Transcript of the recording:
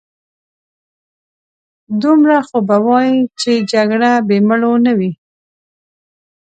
دومره خو به وايې چې جګړه بې مړو نه وي.